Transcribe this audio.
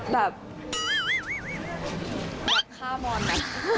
แบบข้ามอนนะ